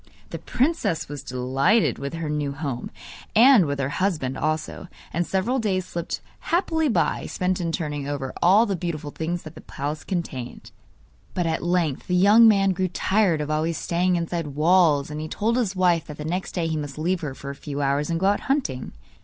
The princess was delighted with her new home, and with her husband also; and several days slipped happily by, spent in turning over all the beautiful things that the palace contained. But at length the young man grew tired of always staying inside walls, and he told his wife that the next day he must leave her for a few hours, and go out hunting.